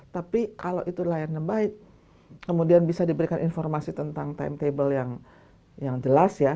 tapi kalau itu layanan baik kemudian bisa diberikan informasi tentang timetable yang jelas ya